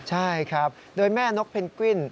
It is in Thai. ใช่ครับโดยแม่นกเพนกวิน